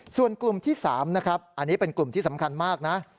ส่วนกลุ่มที่๓นะครับอันนี้เป็นกลุ่มที่สำคัญมากนะ